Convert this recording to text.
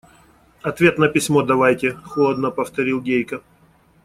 – Ответ на письмо давайте, – холодно повторил Гейка.